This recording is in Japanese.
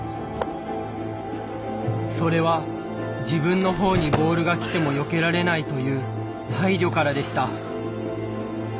それは自分の方にボールがきてもよけられないという配慮からでした。